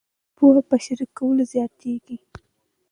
پوهه په شریکولو زیاتیږي.